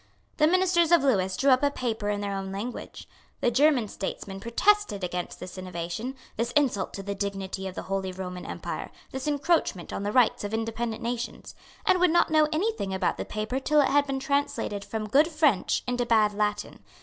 The ministers of Lewis drew up a paper in their own language. The German statesmen protested against this innovation, this insult to the dignity of the Holy Roman Empire, this encroachment on the rights of independent nations, and would not know any thing about the paper till it had been translated from good French into bad Latin.